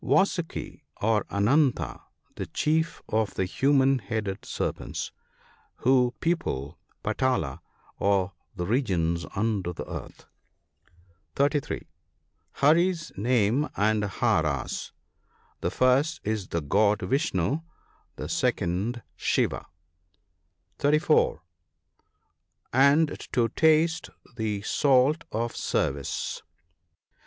— Vasuki, or Ananta, the chief of the human headed serpents, who people Patala, or the regions under the earth. (330 Harps name and Hards. — The first is the god Vishnoo, the second Shiva. 1 50 NOTES. (34.) And to taste the salt of service.